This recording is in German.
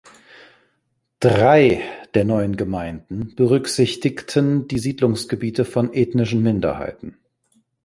Drei der neuen Gemeinden berücksichtigten die Siedlungsgebiete von ethnischen Minderheiten.